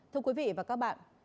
thưa quý vị và các bạn